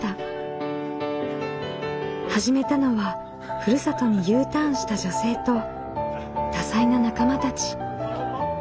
始めたのはふるさとにＵターンした女性と多彩な仲間たち。